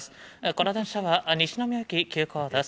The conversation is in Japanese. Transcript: この電車は西宮行き急行です。